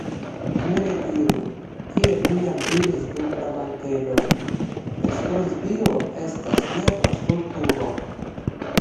Mi rediru, kiel mi jam diris dum la bankedo, ke Skorzbio estas nepra stultulo.